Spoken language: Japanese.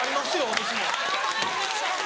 私も。